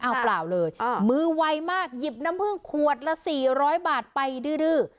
เอาเปล่าเลยมือไวมากหยิบน้ำผึ้งขวดละ๔๐๐บาทไปดื้อ